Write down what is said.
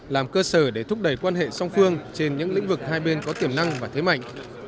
làm cơ sở để thúc đẩy quan hệ song phương trên những lĩnh vực hai bên có tiềm năng và thế mạnh